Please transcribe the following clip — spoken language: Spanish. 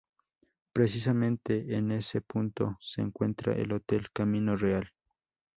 Precisamente en ese punto se encuentra el Hotel Camino Real.